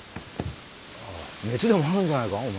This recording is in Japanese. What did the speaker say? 熱でもあるんじゃないか？